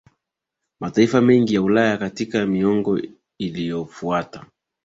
mataifa mengine ya Ulaya Katika miongo iliyofuata